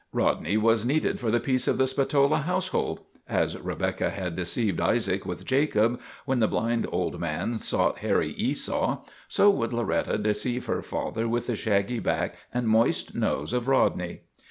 Rodney was needed for the peace of the Spatola household. As Rebekah had deceived Isaac with Jacob, when the blind old man sought hairy Esau, so would Loretta deceive her father with the shaggy back and moist nose of Rod ney.